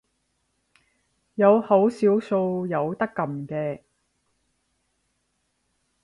有好少數有得撳嘅